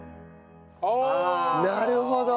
なるほど！